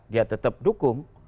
dia tetap dukung